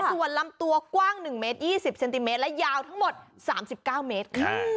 ส่วนลำตัวกว้าง๑เมตร๒๐เซนติเมตรและยาวทั้งหมด๓๙เมตรค่ะ